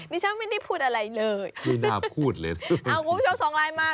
ฉันไม่ได้พูดอะไรเลยไม่น่าพูดเลยเอาคุณผู้ชมส่งไลน์มา